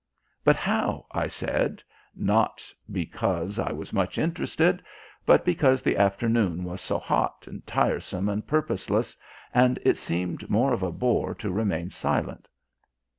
"But how?" I said, not because I was much interested, but because the afternoon was so hot and tiresome and purposeless, and it seemed more of a bore to remain silent.